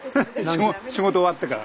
仕事終わってから。